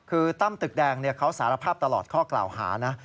คือตั้มตึกแดงเขาสารภาพตลอดข้อกล่าวหานะ